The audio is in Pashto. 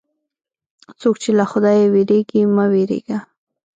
څوک چې له خدایه وېرېږي، مه وېرېږه.